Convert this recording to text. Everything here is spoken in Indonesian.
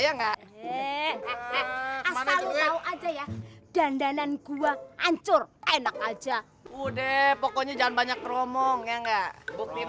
enggak aja ya dandanan gua ancur enak aja udah pokoknya jangan banyak romong ya enggak buktiin